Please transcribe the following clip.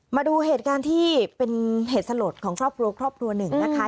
มาดูเหตุการณ์ที่เป็นเหตุสลดของครอบครัวครอบครัวหนึ่งนะคะ